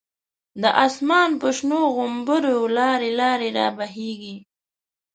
د آسمان په شنو غومبرو، لاری لاری رابهیږی